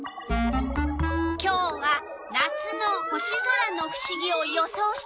今日は「夏の星空」のふしぎを予想してほしいの。